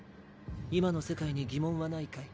今の世界に疑問はないかい？